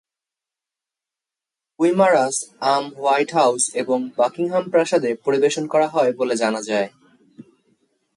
Guimaras আম White House এবং Buckingham প্রাসাদে পরিবেশন করা হয় বলে জানা যায়।